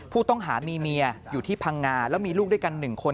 ผู้ต้องหามีเมียอยู่ที่พังงาแล้วมีลูกด้วยกัน๑คน